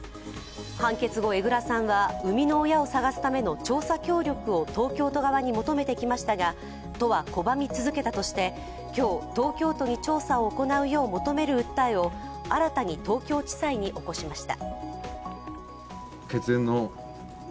判決後、江藏さんは生みの親を捜すための調査協力を東京都側に求めてきましたが都は拒み続けたとして今日、東京都に調査を行うよう求める訴えを新たに東京地裁に起こしました。